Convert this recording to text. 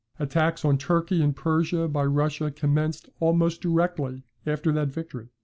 Attacks on Turkey and Persia by Russia commenced almost directly after that victory.